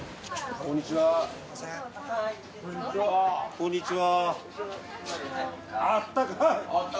こんにちは。